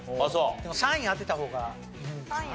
でも３位当てた方がいいんかな。